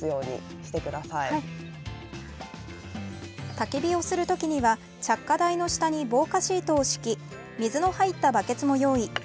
たき火をする時には着火台の下に防火シートを敷き水の入ったバケツも用意。